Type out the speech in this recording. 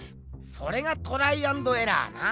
それがトライアンドエラーな？